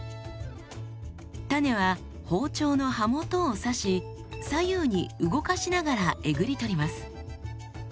種は包丁の刃元を刺し左右に動かしながらえぐり取ります。